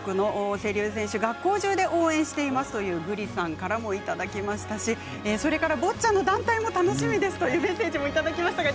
瀬立選手、学校中で応援していますというメッセージもいただきましたしボッチャの団体も楽しみですというメッセージもいただきました。